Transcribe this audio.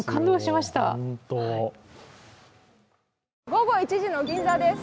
午後１時の銀座です。